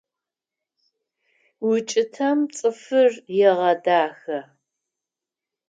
УкӀытэм цӀыфыр егъэдахэ.